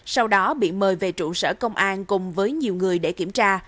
sau đó bị mời về trụ sở công an cùng với nhiều người để kiểm tra